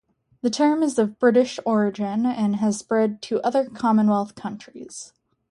The term is of British origin and has spread to other Commonwealth countries.